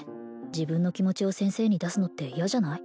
自分の気持ちを先生に出すのって嫌じゃない？